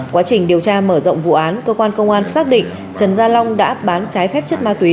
quá trình điều tra mở rộng vụ án cơ quan công an xác định trần gia long đã bán trái phép chất ma túy